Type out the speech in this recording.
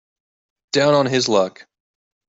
Down on his luck.